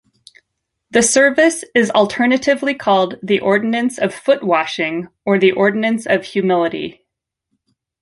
This service is alternatively called the Ordinance of Foot-Washing or the Ordinance of Humility.